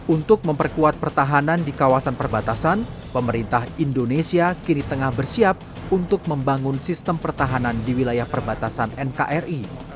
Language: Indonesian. untuk memperkuat pertahanan di kawasan perbatasan pemerintah indonesia kini tengah bersiap untuk membangun sistem pertahanan di wilayah perbatasan nkri